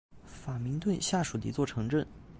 法明顿下属的一座城镇。